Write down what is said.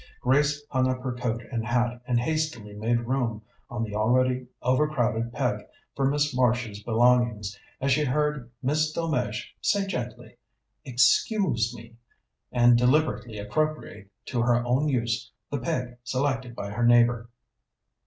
Grace hung up her coat and hat, and hastily made room on the already overcrowded peg for Miss Marsh's belongings, as she heard Miss Delmege say gently "Excuse me," and deliberately appropriate to her own use the peg selected by her neighbour.